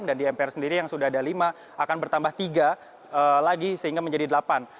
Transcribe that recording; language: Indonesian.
dan di mpr sendiri yang sudah ada lima akan bertambah tiga lagi sehingga menjadi delapan